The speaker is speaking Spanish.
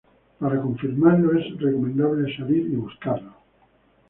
Para confirmarlo es recomendable salir y buscarlo.